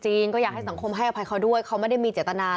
ก็อยากให้สังคมให้อภัยเขาด้วยเขาไม่ได้มีเจตนา